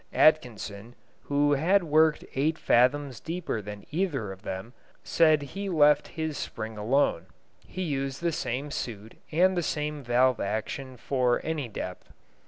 Atkinson, who had worked eight fathoms deeper than either of them, said he left his spring alone; he used the same suit and the same valve action for any depth.